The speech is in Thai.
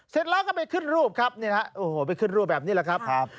เสร็จแล้วก็ไปขึ้นรูปครับนี่นะฮะโอ้โหไปขึ้นรูปแบบนี้แหละครับ